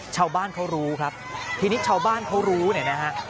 ชาวบ้านเขารู้ครับทีนี้ชาวบ้านเขารู้เนี่ยนะฮะ